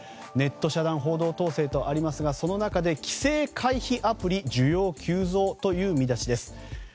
ネット遮断報道統制とありますがその中で規制回避アプリ需要急増という見出しです。